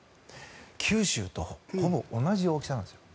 九州とほぼ同じ大きさなんですよ。